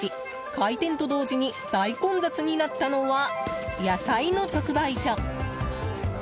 開店と同時に大混雑になったのは野菜の直売所。